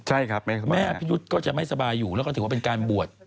ใช่ครับแม่พี่ยุทธ์ก็จะไม่สบายอยู่แล้วก็ถือว่าเป็นการบวช